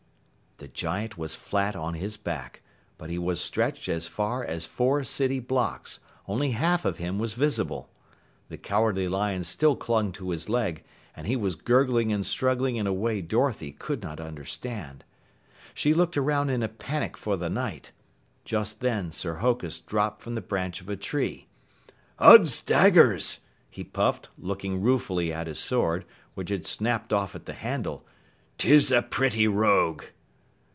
The giant was flat on his back, but as he was stretched as far as four city blocks, only half of him was visible. The Cowardly Lion still clung to his leg, and he was gurgling and struggling in a way Dorothy could not understand. She looked around in a panic for the Knight. Just then, Sir Hokus dropped from the branch of a tree. "Uds daggers!" he puffed, looking ruefully at his sword, which had snapped off at the handle, "'Tis a pretty rogue!"